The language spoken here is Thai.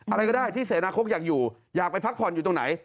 อะไรก็ได้ที่เสนาคตอยากอยู่อยากไปพักผ่อนอยู่ตรงไหน